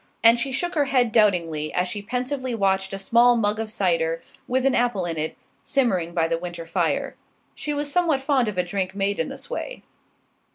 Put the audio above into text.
And she shook her head doubtingly, as she pensively watched a small mug of cider, with an apple in it, simmering by the winter fire. She was somewhat fond of a drink made in this way.